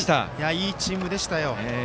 いいチームでしたよ。